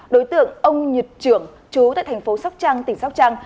đối tượng ông nhật trưởng chú tại thành phố sóc trăng tỉnh sóc trăng